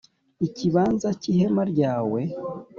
ikibanza cy ihema ryawe